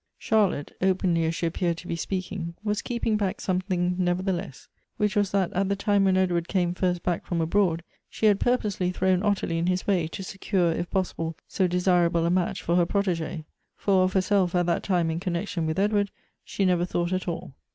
Charlotte, openly as she appeared to be speaking, was keeping back something, nevertheless ; which was that at the time when Edward came fi rst b ack from abroad, she had purposelj_throwiL.Qttnie in his way, to secureTrfpas slble, so desirable a^natch for, her .protege e. For of hefc. self, at that time, in connection Hitli_EdSfard,_she never thought at all.